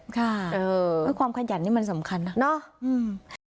ค่ะเพราะความขยันนี่มันสำคัญนะ